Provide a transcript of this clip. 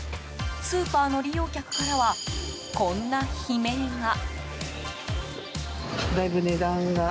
スーパーの利用客からはこんな悲鳴が。